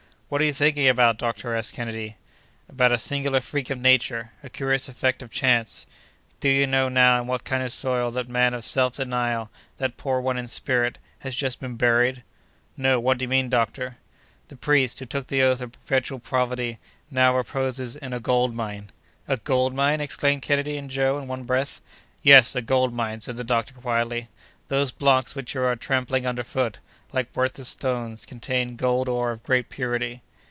"What are you thinking about, doctor?" asked Kennedy. "About a singular freak of Nature, a curious effect of chance. Do you know, now, in what kind of soil that man of self denial, that poor one in spirit, has just been buried?" "No! what do you mean, doctor?" "That priest, who took the oath of perpetual poverty, now reposes in a gold mine!" "A gold mine!" exclaimed Kennedy and Joe in one breath. "Yes, a gold mine," said the doctor, quietly. "Those blocks which you are trampling under foot, like worthless stones, contain gold ore of great purity."